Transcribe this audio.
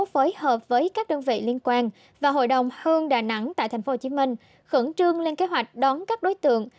phối hợp với các đơn vị liên quan và hội đồng hương đà nẵng tại tp hcm khẩn trương lên kế hoạch đón các đối tượng